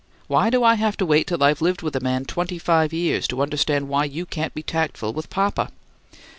Why do I have to wait till I've lived with a man twenty five years to understand why you can't be tactful with papa?"